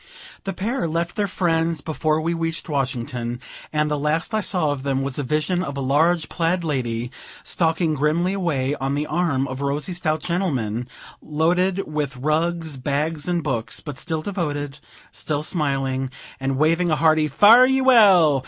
The pair left their friends before we reached Washington; and the last I saw of them was a vision of a large plaid lady, stalking grimly away, on the arm of a rosy, stout gentleman, loaded with rugs, bags, and books, but still devoted, still smiling, and waving a hearty "Fare ye well!